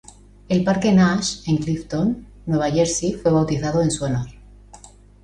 El "Parque Nash" en Clifton, Nueva Jersey fue bautizado en su honor.